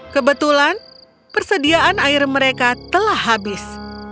kebetulan persediaan air mereka telah habis